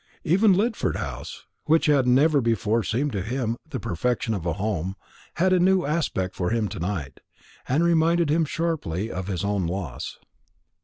Even Lidford House, which had never before seemed to him the perfection of a home, had a new aspect for him to night, and reminded him sharply of his own loss.